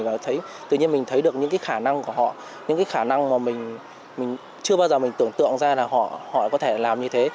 và tự nhiên mình thấy được những cái khả năng của họ những cái khả năng mà mình chưa bao giờ mình tưởng tượng ra là họ có thể làm như thế